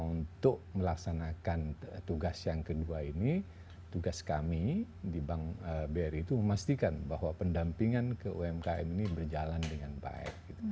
untuk melaksanakan tugas yang kedua ini tugas kami di bank bri itu memastikan bahwa pendampingan ke umkm ini berjalan dengan baik